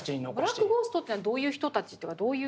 ブラック・ゴーストというのはどういう人たちというかどういう？